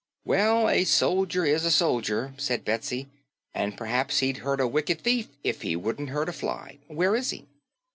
"Well, a soldier is a soldier," said Betsy, "and perhaps he'd hurt a wicked thief if he wouldn't hurt a fly. Where is he?"